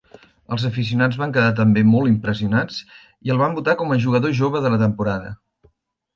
Els aficionats van quedar també molt impressionats, i el van votar com a "jugador jove de la temporada".